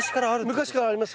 昔からあります